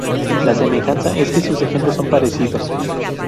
La semejanza es que sus ejemplos son parecidos.